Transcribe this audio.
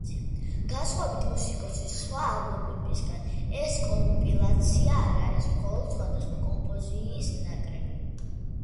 განსხვავებით მუსიკოსის სხვა ალბომებისგან, ეს კომპილაცია არ არის მხოლოდ სხვადასხვა კომპოზიის ნაკრები.